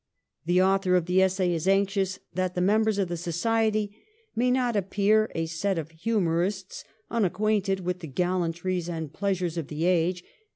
The author of the essay is anxious that the members of the society 'may not appear a set of humorists, unacquainted with the gallantries and pleasures of the age.'